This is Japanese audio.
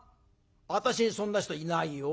私にそんな人いないよ。